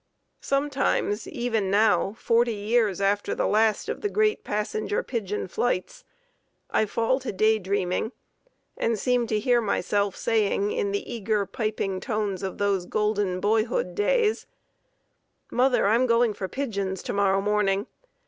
Sometimes, even now, forty years after the last of the great passenger pigeon flights, I fall to day dreaming and seem to hear myself saying in the eager, piping tones of those golden boyhood days: "Mother, I am going for pigeons to morrow morning!